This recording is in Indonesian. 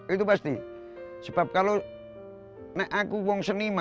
itu di bagian enseng